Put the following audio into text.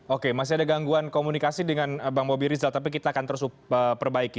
oke masih ada gangguan komunikasi dengan bang bobi rizal tapi kita akan terus perbaiki